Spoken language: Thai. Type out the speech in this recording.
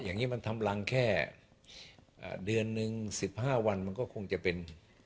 อย่างนี้มันทำรังแค่เดือนนึง๑๕วันมันก็คงจะเป็น